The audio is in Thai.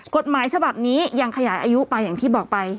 กฎหมายฉบับนี้ยังขยายอายุไปอย่างที่บอกไป